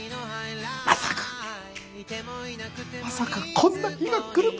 まさかまさかこんな日が来るとは。